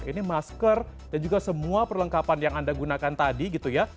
ini masker dan juga semua perlengkapan yang anda gunakan tadi gitu ya